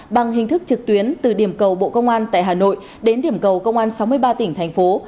bằng hình thức trực tuyến từ điểm cầu bộ công an tại hà nội đến điểm cầu công an sáu mươi ba tỉnh thành phố